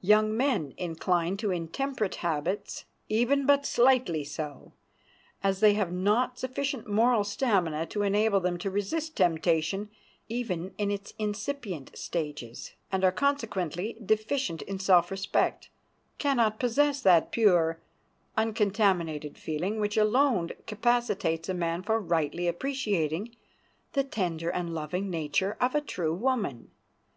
Young men inclined to intemperate habits, even but slightly so, as they have not sufficient moral stamina to enable them to resist temptation even in its incipient stages, and are consequently deficient in self respect, can not possess that pure, uncontaminated feeling which alone capacitates a man for rightly appreciating the tender and loving nature of a true woman.